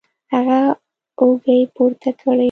هغه اوږې پورته کړې